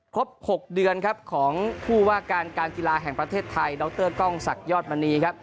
ครบ๖เดือนครับของผู้ว่าการการกีฬาแห่งประเทศไทยดรกล้องศักดิยอดมณีครับ